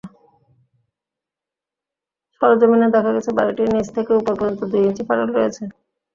সরেজমিনে দেখা গেছে, বাড়িটির নিচ থেকে ওপর পর্যন্ত দুই ইঞ্চি ফাটল রয়েছে।